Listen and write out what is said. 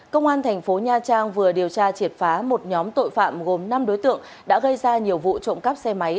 công an thành phố nha trang vừa điều tra triệt phá một nhóm tội phạm gồm năm đối tượng đã gây ra nhiều vụ trộm cắp xe máy